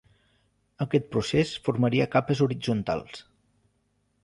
Aquest procés formaria capes horitzontals.